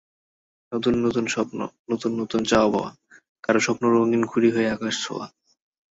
নতুন নতুন স্বপ্ন, নতুন নতুন চাওয়া-পাওয়া, কারও স্বপ্ন রঙিন ঘুড়ি হয়ে আকাশছোঁয়া।